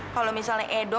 kalau misalnya edo mencari